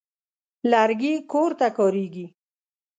لرګي کور ته کارېږي.